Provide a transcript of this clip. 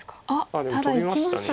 あっただいきましたね。